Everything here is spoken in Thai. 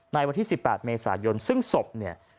ในวันที่๑๘เมษายนซึ่งศพเนี่ย